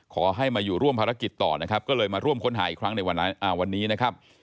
ขอให้มาอยู่ร่วมภารกิจต่อนะครับก็เลยมาร่วมค้นหาอีกครั้งในวันนี้นะครับ